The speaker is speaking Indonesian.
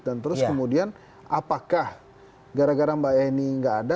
dan terus kemudian apakah gara gara mbak yeni gak ada